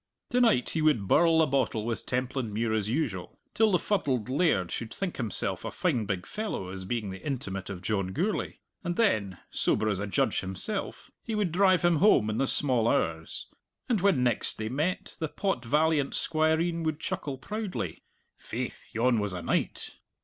To night he would birl the bottle with Templandmuir as usual, till the fuddled laird should think himself a fine big fellow as being the intimate of John Gourlay and then, sober as a judge himself, he would drive him home in the small hours. And when next they met, the pot valiant squireen would chuckle proudly, "Faith, yon was a night."